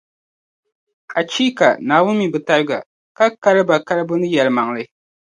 Achiika! Naawuni mi bɛ tariga, ka kali ba kalibu ni yɛlimaŋli.